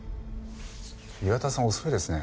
岩田さん遅いですね。